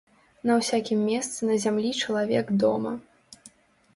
На ўсякім месцы на зямлі чалавек дома.